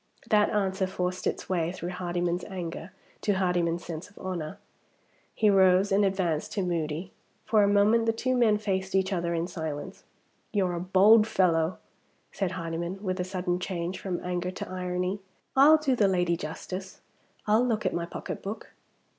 That answer forced its way, through Hardyman's anger, to Hardyman's sense of honor. He rose and advanced to Moody. For a moment the two men faced each other in silence. "You're a bold fellow," said Hardyman, with a sudden change from anger to irony. "I'll do the lady justice. I'll look at my pocketbook."